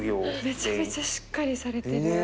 めちゃめちゃしっかりされてる。